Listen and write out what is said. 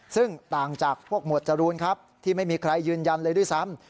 ซึ่งต่างจากพวกหมวดจรูนครับที่ไม่มีใครยืนยันเลยด้วยซ้ำ